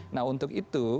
nah untuk itu